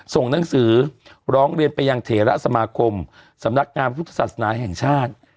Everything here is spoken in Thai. ส่งหนังสือร้องเรียนไปยังเถระสมาคมสำนักงานพุทธศาสนาแห่งชาติ